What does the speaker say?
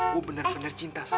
gue bener bener cinta sama